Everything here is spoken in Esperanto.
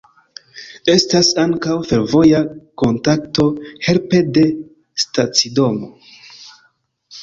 Estas ankaŭ fervoja kontakto helpe de stacidomo.